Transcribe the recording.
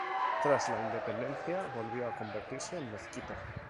Tras la independencia, volvió a convertirse en mezquita.